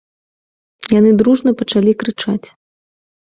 Яны дружна пачалі крычаць.